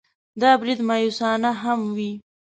دا برید مأیوسانه هم وي.